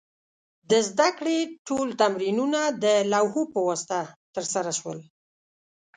د زده کړې ټول تمرینونه د لوحو په واسطه ترسره شول.